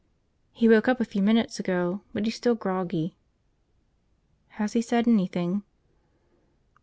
"He woke up a few minutes ago, but he's still groggy." "Has he said anything?"